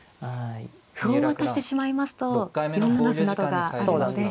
歩を渡してしまいますと４七歩などがあるので。